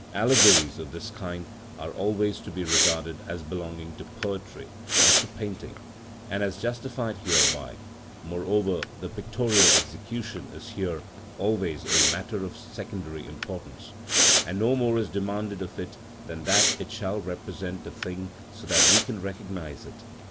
Allegories of this kind are always to be regarded as belonging to poetry, not to painting, and as justified thereby; moreover, the pictorial execution is here always a matter of secondary importance, and no more is demanded of it than that it shall represent the thing so that we can recognise it.